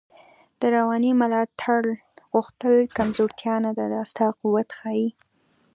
د روانی ملاتړ غوښتل کمزوتیا نده، دا ستا قوت ښایی